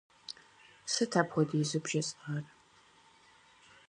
Сыт апхуэдизу бжесӀар?